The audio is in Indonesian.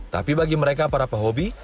tapi bagi mereka para pehobi